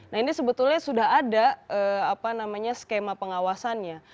nah ini sebetulnya sudah ada apa namanya skema pengawasannya